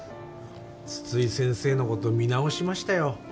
津々井先生のこと見直しましたよ。